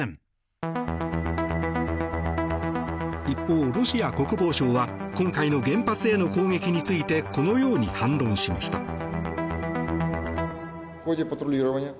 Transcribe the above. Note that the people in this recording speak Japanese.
一方、ロシア国防省は今回の原発への攻撃についてこのように反論しました。